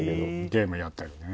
ゲームやったりね。